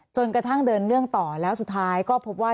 จนกระทั่งเดินเรื่องต่อแล้วสุดท้ายก็พบว่า